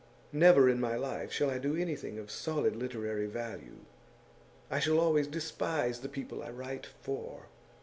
Never in my life shall I do anything of solid literary value; I shall always despise the people I write for.